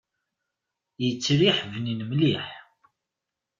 Yettriḥ bnin mliḥ.